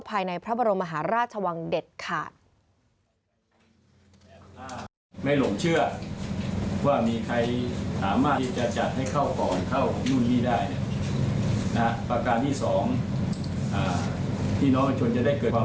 ภายในพระบรมมหาราชวังเด็ดขาด